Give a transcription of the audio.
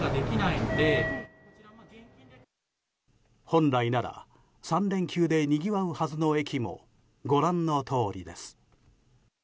本来なら３連休でにぎわうはずの駅もご覧のとおりです。